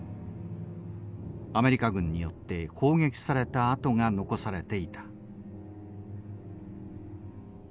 アメリカ軍によって砲撃された跡が残されていた。